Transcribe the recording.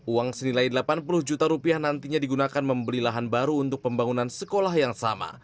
uang senilai delapan puluh juta rupiah nantinya digunakan membeli lahan baru untuk pembangunan sekolah yang sama